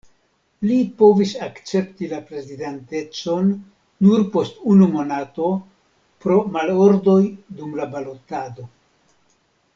Li povis akcepti la prezidantecon nur post unu monato pro malordoj dum la balotado.